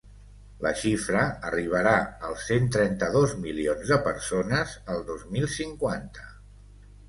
La xifra arribarà als cent trenta-dos milions de persones el dos mil cinquanta.